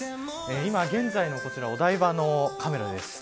今現在のお台場のカメラです。